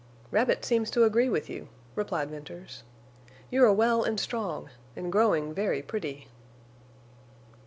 "Rabbit seems to agree with you," replied Venters. "You are well and strong—and growing very pretty."